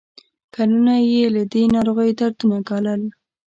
کلونه یې له دې ناروغۍ دردونه ګالل.